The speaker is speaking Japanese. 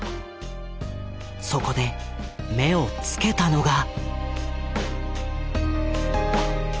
そこで目を付けたのが。